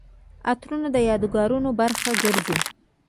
عطرونه د یادګارونو برخه ګرځي.